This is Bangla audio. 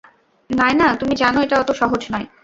নায়না, তুমি জানো এটা এত সহজ নয়।